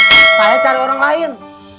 nah saya cari orang lain